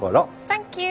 サンキュー。